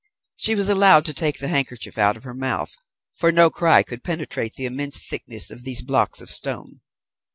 She was allowed to take the handkerchief out of her mouth, for no cry could penetrate the immense thickness of these blocks of stone.